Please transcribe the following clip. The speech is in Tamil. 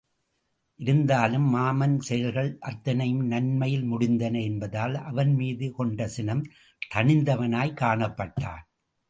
இருந்தாலும் மாமன் செயல்கள் அத்தனையும் நன்மையில் முடிந்தன என்பதால் அவன் மீது கொண்ட சினம் தணிந்தவனாய்க் காணப்பட்டான்.